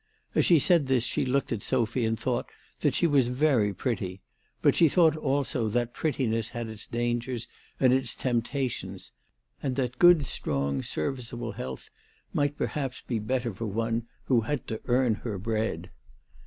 As she said this she looked at Sophy and thought that she was very pretty ; but she thought THE TELEGRAPH GIRL. 291 also that prettiness had its dangers and its temptations ; and that good strong serviceable health might perhaps be better for one who had to earn her bread.